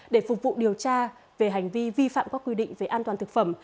để phục vụ điều tra về hành vi vi phạm các quy định về an toàn thực phẩm